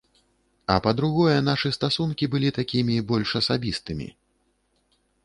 А па-другое, нашы стасункі былі такімі больш асабістымі.